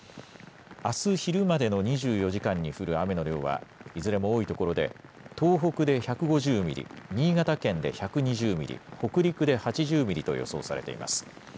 あす昼までの２４時間に降る雨の量は、いずれも多い所で東北で１５０ミリ、新潟県で１２０ミリ、北陸で８０ミリと予想されています。